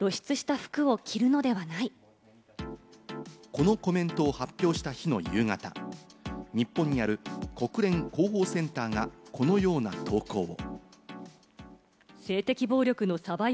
このコメントを発表した日の夕方、日本にある国連広報センターがこのような投稿を。